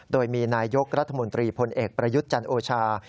โดยมีนายกรัฐมนตรีพลเอกประยุทธ์จันโอชา